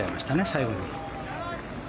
最後に。